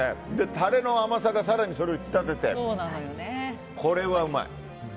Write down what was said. タレの甘さが更にそれを引き立ててこれはうまい。